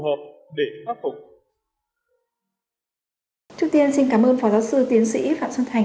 trước tiên xin cảm ơn phó giáo sư tiến sĩ phạm xuân thành